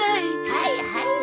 はいはい。